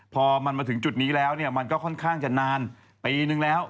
พอมันมาถึงจุดนี้แล้วเนี่ยมันก็ค่อนข้างจะนานปีนึงแล้ว